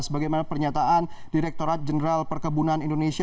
bagaimana pernyataan direktorat jenderal perkebunan indonesia